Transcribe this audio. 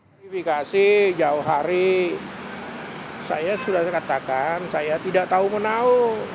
verifikasi jauh hari saya sudah katakan saya tidak tahu menau